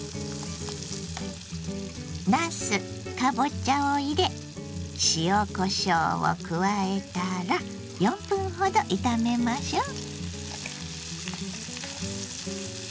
なすかぼちゃを入れ塩こしょうを加えたら４分ほど炒めましょう。